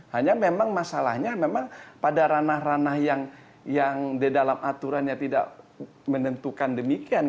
hanya memang masalahnya memang pada ranah ranah yang didalam aturan tida menentukan demikian